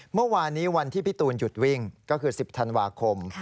เมื่อวานนี้วันที่พี่ตูนหยุดวิ่งก็คือ๑๐ธันวาคม